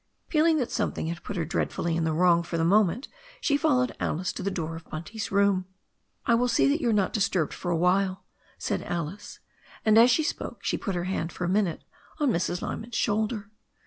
Feeling that something had put her dreadfully in the wrong for the moment, she fol lowed Alice to the door of Bunt/s room. "I will see that you are not disturbed for a while," said Alice, and as she spoke she put her hand for a minute on Mrs. L)rman's shoulder.